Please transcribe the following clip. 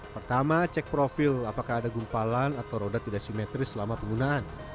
pertama cek profil apakah ada gumpalan atau roda tidak simetris selama penggunaan